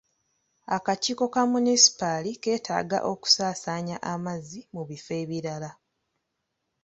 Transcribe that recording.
Akakiiko ka munisipaali keetaaga okusaasaanya amazzi mu bifo ebirala.